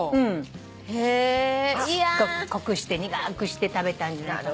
すっごく濃くして苦くして食べたんじゃないかな。